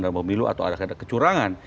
dan memilu atau ada kecurangan